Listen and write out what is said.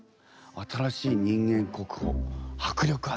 新しい人間国宝迫力あるね。